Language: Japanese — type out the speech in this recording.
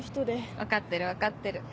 分かってる分かってる。